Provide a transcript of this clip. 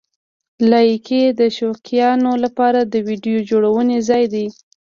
لایکي د شوقیانو لپاره د ویډیو جوړونې ځای دی.